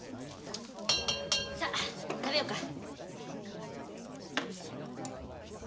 さ食べようか。